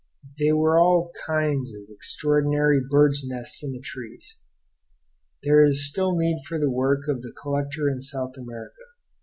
There were all kinds of extraordinary bird's nests in the trees. There is still need for the work of the collector in South America.